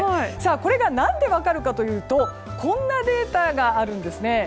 これが何で分かるかというとこんなデータがあるんですね。